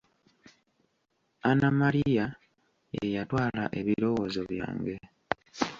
Anna Maria ye yatwala ebirowoozo byange.